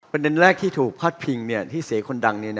ประเด็นแรกที่ถูกพัดพิงเนี่ยที่เสียคนดังเนี่ยนะ